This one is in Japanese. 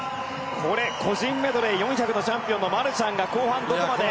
個人メドレー４００のチャンピオンのマルシャンが後半、どこまで。